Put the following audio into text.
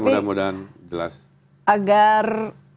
mudah mudahan jelas agar